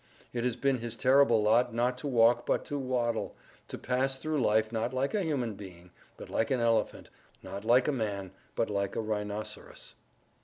It has been his terrible lot not to walk but to waddle—to pass through life not like a human being, but like an elephant—not like a man, but like a rhinoceros.